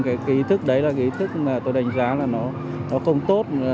cái ý thức đấy là cái ý thức mà tôi đánh giá là nó không tốt